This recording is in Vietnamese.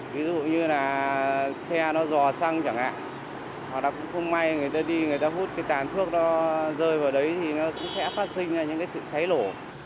ví dụ như là xe nó dò xăng chẳng hạn hoặc là cũng không may người ta đi người ta hút cái tàn thuốc nó rơi vào đấy thì nó cũng sẽ phát sinh ra những cái sự cháy nổ